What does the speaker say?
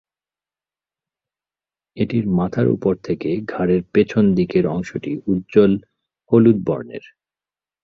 এটির মাথার উপর থেকে ঘাড়ের পেছন দিকের অংশটি উজ্জ্বল হলুদ বর্ণের।